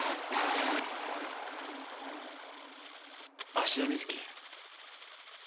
芦屋瑞稀。